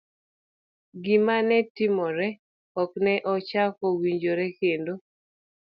Gima ne timore ok ne ochako owinjore kendo;